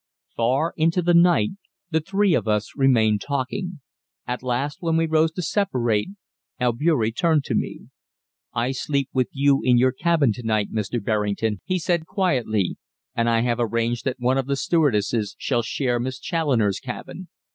Far into the night the three of us remained talking. At last, when we rose to separate, Albeury turned to me. "I sleep with you in your cabin to night, Mr. Berrington," he said quietly. "And I have arranged that one of the stewardesses shall share Miss Challoner's cabin.